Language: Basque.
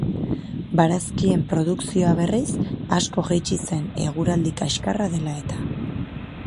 Barazkien produkzioa, berriz, asko jaitsi zen, eguraldi kaskarra dela eta.